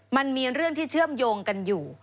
มันมีเรื่องที่เชื่อมโยงกันอยู่